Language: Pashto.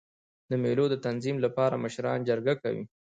د مېلو د تنظیم له پاره مشران جرګه کوي.